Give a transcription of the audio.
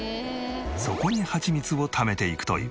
そこにハチミツをためていくという。